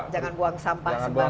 jangan buang sampah sembarangan